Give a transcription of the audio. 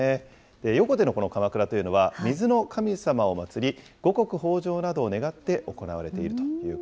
横手のこのかまくらというのは、水の神様を祭り、五穀豊じょうなどを願って行われているというこ